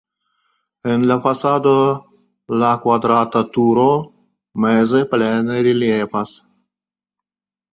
En la fasado la kvadrata turo meze plene reliefas.